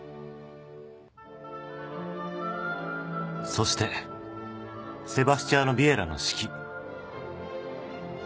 ［そしてセバスチャーノ・ヴィエラの指揮］